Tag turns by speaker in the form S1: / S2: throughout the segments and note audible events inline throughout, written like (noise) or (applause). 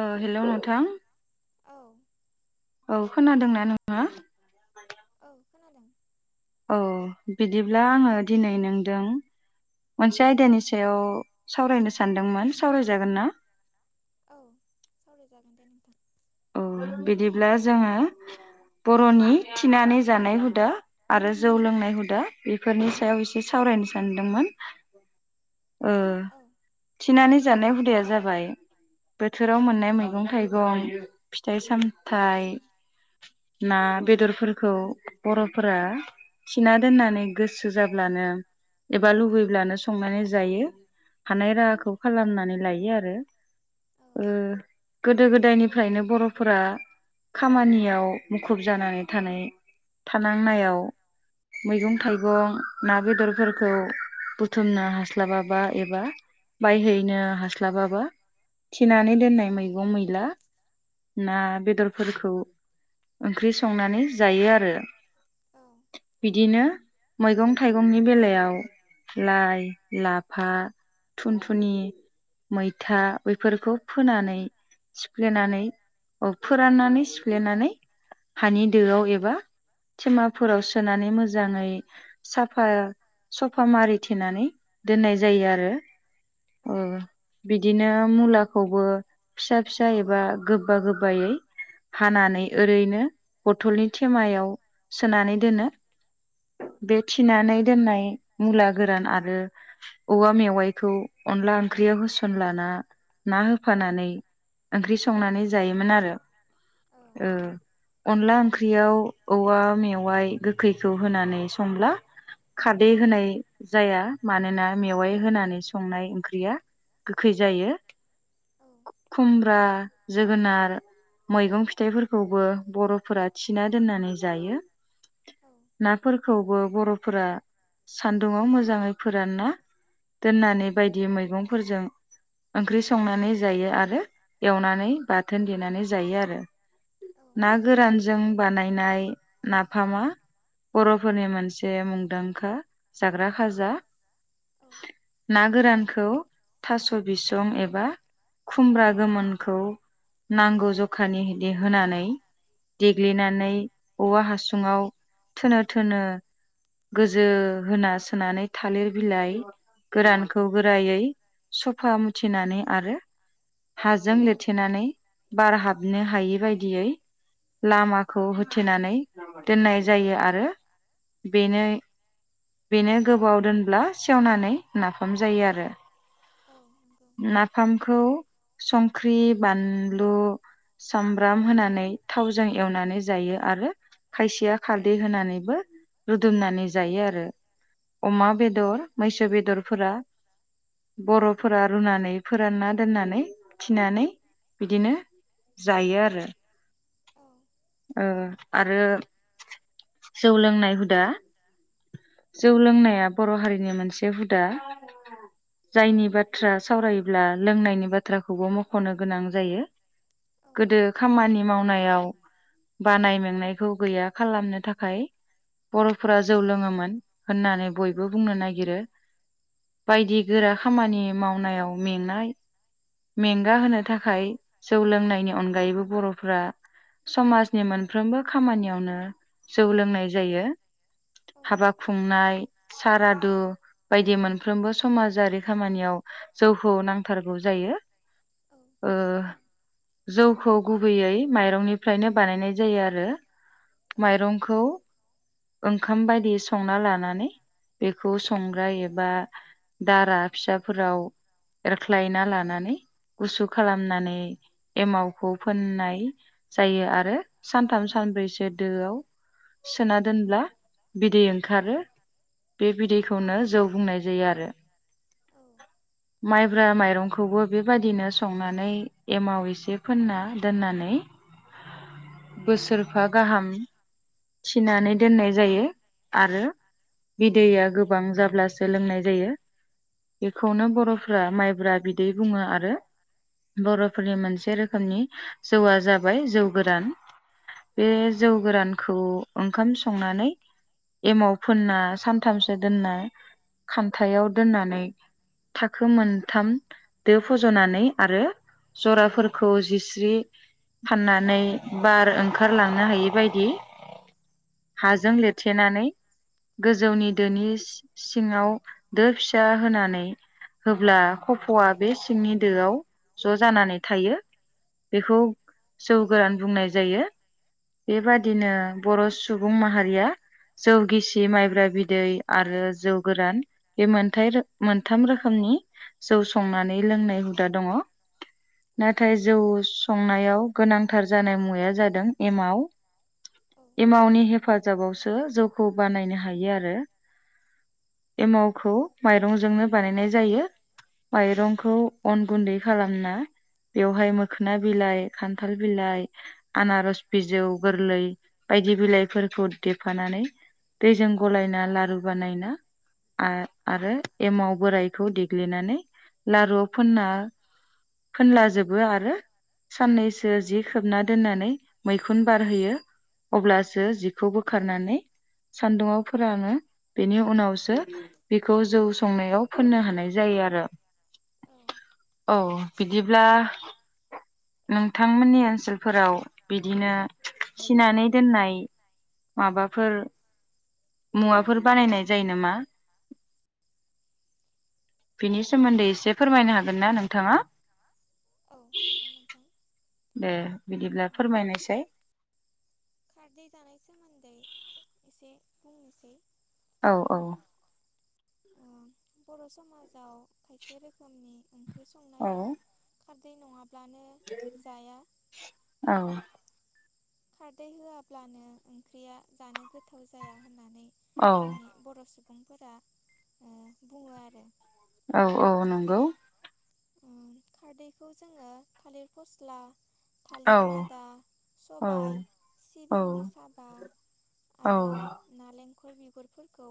S1: ओ हेलौ नोंथां। औ खोनादोंना नोथाङा?
S2: औ खोनादों।
S1: औ बिदिब्ला आङो दिनै नोंदों मोनसे बे आयदानि सायाव सावरायनो सानदोंमोन सावरायजागोन ना?
S2: औ सावरायजागोन।
S1: बिदिब्ला जोङो ब र'नि थिनानै जानाय हुदा आरो जौ लोंनाय हुदा बेफोरनि सायाव एसे सावरायनो सान दोंमोन।
S2: औ।
S1: थिनानै जानाय हुदाया जाबाय। बोथोराव मोननाय मैगं थाइगं फिथाइ सामथायाइ ना। फोरखौ बर'फोरा थिना दोननानै गोसो जाब्लानो। एबा लुबैब्लानो संनानै जायो हानाय राहाखौ खालामनानै लायो आरो। ओ गोदो गोदायनिफ्रायनो बर'फोरा। खामानियाव मुखुब जानानै थानाय थानांनायाव। मैगं थाइगं ना बेदरफोरखौ बुथुमनो हास्लाब। स्लाबाबा एबा बायहैनो हास्लाबाबा। थिनानै दोननाय मैगं मैला। ना बेदरफोरखौ ओंख्रि संनानै जायो आरो। बिदिनो मैगं थाइगंनि बेलायाव लाइ। फा थुन थुनि। मैथा बेफोरखौ फोनानै सिफ्लेनानै। अ फोराननानै सिफ्लेनानै हानि दोआव एबा। थेमाफोराव सोनानै मोजाङै साफा। सफा मारिथेनानै दोननाय जायो आरो ओ। बिदिनो मुलाखौबो फिसा फिसा एबा गोबा गोबायै। हानानै ओरैनो बथलनि थेमायाव। सोनानै दोनो बे थिनानै दोननाय मुला गोरान आरो। औवा मेवाइखौ अनला ओंख्रियाव होसनलाना ना होफानानै। ओंख्रि संनानै जायोमोन आरो ओ अनला ओं। ख्रियाव औवा मेवाइ गोखैखौ होनानै संब्ला। खादै होनाय जाया। मानोना मेवाइ होनानै संनाय ओंख्रिया गोखै जायो। खुमब्रा जोगोनार। मैगं फिथाइफोरखौबो बर'फोरा थिना दोननानै जायो। नाफोरखौबो बर'फोरा सान्दुङआव मोजाङै फोरानना। दोननानै बायदि मैगंफोरजों। ओंख्रि संनानै जायो आरो एवनानै बाथोन देनानै जायो आरो। ना गोरानजों बानायनाय नाफामा। बर'फोरनि मोनसे मुंदांखा जाग्रा खाजा। ना गोरानखौ थास' बिसं एबा। खुमब्रा गोमोनखौ नांगौ जखानि होनानै। देग्लिनानै औवा हासुङाव थोनो थोनो। गोजो होना सोनानै। थालिर बिलाइ गोरानखौ गोरायै सफा मुथिनानै आरो। हाजों लिरथेनानै बार हाबनो हायि बायदियै। लामाखौ होथेनानै दोननाय जायो आरो बेनो। बेनो गोबाव दोनब्ला सेवनानै नाफाम जायो आरो जायो आरो अमा बेदर मैसो बेदरफोरा बर' फोर रुनानै फोरानना दोननानै थिनानै बिदिनो जायो आरो ओ आरो जौ लोंनाय हुदा जौ लोंनाया बर' हारिनि मोनसे हुदा जायनि बाथ्रा सावरायोब्ला लोंनायनि बाथ्राखौबो मख'नो गोनां जायो गोदो खामानि मावनायाव बानाय मेंनायखौ गैया खालामनो थाखाय बर'फोरा जौ लोङोमोन होननानै बयबो बुंनो नागिरो बायदि गोरा खामानि मावनायाव मेंनाय मेंगा होनो थाखाय जौ लोंनायनि अनगायैबो बर'फोरा समाज नि मोनफ्रोमबो खामानियावनो जौ लोंनाय जायो हाबा खुंनाय सारादु बायदि मोनफ्रोमबो समाजारि खामानियाव जौखौ नांथारगौ जायो। ओ- जौखौ गुबैयै माइरं बानाय जयो आरो माइरंखौ। ओंखाम बायदि संना लानानै बेखौ संग्रा एबा। बा दारा फिसाफोराव एरख्लायना लानानै। गुसु खालामनानै एमावखौ फोननाय जायो रो सानथाम सानब्रैसो दोआव सोना दोनब्ला बिदै ओंखारो। बे बिदैखौनो जौ बुंनाय जायो आरो। माइब्रा माइरंखौबो बेबादिनो संनानै एमाव एसे फोनना दोननानै। बोसोरफा गाहाम, थिनानै दोननाय जायो आरो। बिदैया गोबां जाब्लासो लोंनाय जायो। बेखौनो बर'फोरा माइब्रा बिदै बुङो आरो। बर'फोरनि मोनसे रोखोमनि जौआ जाबाय जौ गोरान। बे जौ गोरानखौ ओंखाम संनानै। एमाव फोनना सानथामसो दोनना खान्थायाव दोननानै। थाखो मोनथाम दो फज'नानै आरो। जराफोरखौ जिस्रि फाननानै बार ओंखारलांनो हायि बायदि। हाजों लिरथेनानै गोजौनि दोनि सिङाव दो फिसा होनानै। हब्ला कफ'आ बे सिंनि दोआव ज' जानानै थायो। बेखौ जौ गोरान बुंनाय जायो बेबाद दिनो बर' सुबुं माहारिया। जौ गिसि माइब्रा बिदै आरो जौ गोरान बे मोनथाय मोनथाम रोखोम नि जौ संनानै लोंनाय हुदा दङ। नाथाय जौ संनायाव गोनांथार जानाय मुवाया जादों एमाव। एमावनि हेफाजाबावसो जौखौ बानायनो हायो आरो। एमावखौ माइरंजोंनो बानायनाय जायो। माइरंखौ अन गुन्दै खालामना। बेवहाय मोखोना बिलाइ खान्थाल बिलाइ आनारस बिजौ गोरलै, बायदि बिलाइफोरखौ देफानानै दैजों गलायना लारु बानायना। आरो एमाव बोरायखौ देग्लिनानै लारु फोनना फोनलाजोबो आरो। साननैसो जि खोबना दोननानै मैखुन बारहोयो। अब्लासो जिखौ बोखारनानै सान्दुआव फोरानो। बेनि उनावसो बेखौ जौ संनायाव फोननो हानाय जायो आरो। औ बिदिब्ला नोंथांमोननि ओनसोलफोराव बिदिनो। फिनानै दोननाय माबाफोर? मुवाफोर बानायनाय जायो नामा? बिनि सोमोन्दै एसे फोरमायनो हागोन ना नोंथाङा? ए बिदिब्ला फोरमायनायसै।
S2: खारदै जानाय सोमोन्दै एसे बुंनोसै।
S1: औ औ
S2: बर' समाजाव खायसे रोखोमनि। ओंख्रि संनायाव खारदै नङाब्ला
S1: औ
S2: खारदै होआब्लानो ओंख्रिया जानो गोथाव जाया
S1: औ।
S2: सुबुंफोरा बुङो आरो।
S1: औ औ नंगौ।
S2: खारदैखौ जोङो थालिर फस्ला थालिर मादा सब सिबिंनि साबा आरो नालेंखर नालेंखर बिगुरफोरखौ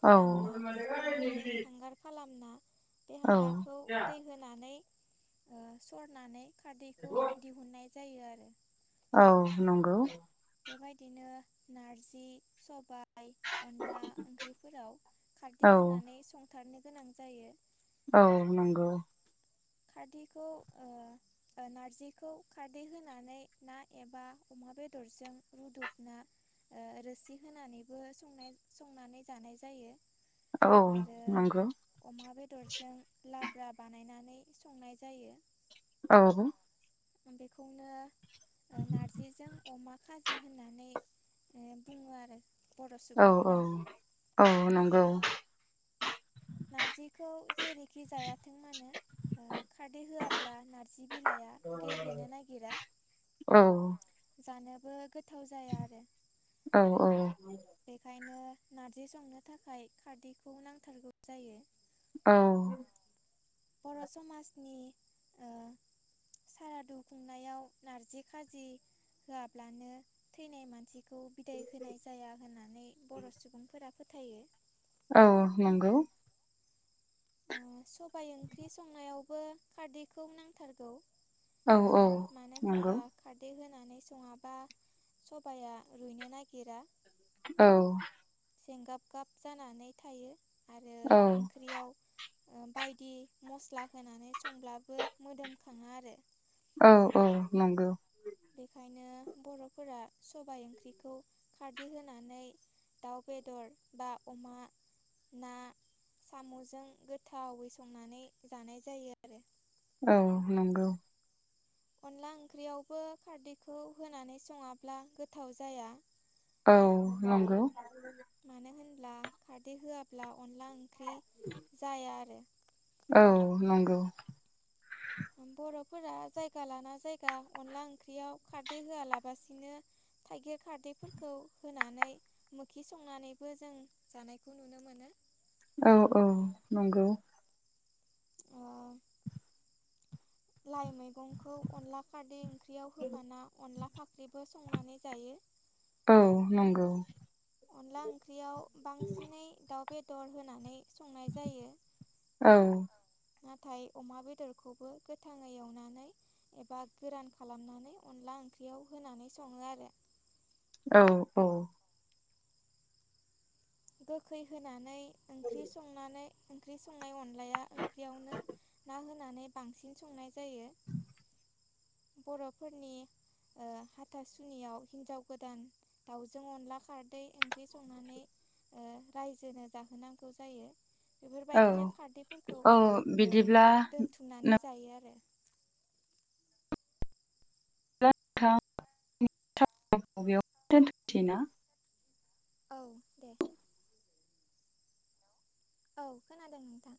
S2: फोरानना सावनानै हांगार खालामना बे हांगारखौ दै होनानै सरनानै खारदैखौ दिहुननाय जायो आरो।
S1: औ नंगौ।
S2: बेबायदिनो नारजि सबा लाइ अनला ओंख्रिफोराव खारदै होनानै संथारनो गोनां जायो।
S1: औ नंगौ।
S2: खारदैखौ औ-ओ नारजिखौ खारदै होनानै ना एबा अमा माब बेदरजों रुदबना रोसि होनानैबो सं संनानै जानाय जायो। आरो अमा बेदरजों लाब्रा बानायनानै संनाय जायो।
S1: औ।
S2: बेखौनो नारजिजों अमा खाजा जि होननानै बुङो आरो।
S1: औ औ औ नंगौ।
S2: नारजिखौ जेरखि जायाथों मानो खारदै होआब्ला नार्जि बिलाइआ गेब्लेनो नागिरा
S1: (inaudible)
S2: जानो
S1: औ औ।
S2: बेखायनो नारजि संनो थाखाय खारदैखौ नांथारगौ जायो।
S1: औ
S2: बर' समाजनि आओ सारादु खुंनायाव नारजि खाजि होआब्लानो थैनाय मानसि खौ बिदाय होनाय जाया होननानै बर' सुबुंफोरा फोथायो।
S1: औ नंगौ।
S2: सबाय ओंख्रि संनायावबो खारदैखौ नांथारगौ
S1: औ औ नंगौ।
S2: होननानै सङाबा सबाया रुइनो नागिरा
S1: औ
S2: जेंगाब गाब जानानै थायो आरो ओंख्रियाव बायदि मस्ला होनानै संब्लाबो मोदोमखाङा आरो‌।
S1: औ औ नंगौ।
S2: बेखायनो बर'फोरा सबाय ओंख्रिखौ खारदै होनानै दाउ बेदर बा अमा ना साम'जों गोथावै संनानै जानाय जायो आरो।
S1: औ नंगौ।
S2: अनला ओंख्रियावबो खारदैखौ होनानै सङाब्ला गोथाव जाया।
S1: औ नंगौ।
S2: मानो होनब्ला खारदै होआब्ला अनला ओंख्रि जाया आरो।
S1: औ नंगौ।
S2: बरब फोरा जायगा लाना जायगा अनला ओंख्रियाव खारदै होआलाबासिनो थाइगिर खार बेफोरखौ होनानै मोखि संनानैबो जों जानायखौ नुनो मोनो
S1: औ औ नंगौ
S2: लाइ मैगंखौ अनला खारदै ओंख्रियाव होफाना अनला फाख्रिबो स संनानै जायो
S1: औ नंगौ
S2: अनला ओंख्रियाव बांसिनै दाउ बेदर होनानै संनाय जायो, नाथाय अमा बेदरखौबो गोथाङै एवनानै एबा गोरान खालामनानै अनला अनला ओंख्रियाव होनानै सङो आरो
S1: औ औ
S2: गोखै होनानै ओंख्रि संनानै ओंख्रि संनाय अनलाया ओंख्रियावनो ना होनानै बांसिन संनाय जायो बर'फोरनि ओ हाथासुनियाव हिन्जाव गोदान दाउजों अनला खारदै ओंख्रि संनानै रायजोनो जाहोनांगौ जायो बेफोरबायदिनो खारदैफोरखौ दोनथुमनानै जायो आरो
S1: (inaudible)
S2: औ दे औ खोनादों नोंथां